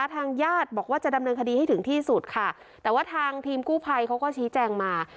ทางญาติบอกว่าจะดำเนินคดีให้ถึงที่สุดค่ะแต่ว่าทางทีมกู้ภัยเขาก็ชี้แจงมา